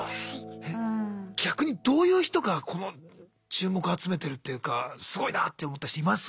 逆にどういう人が注目を集めてるっていうかすごいなって思った人います？